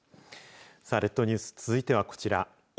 さあ列島ニュース続いてはこちら。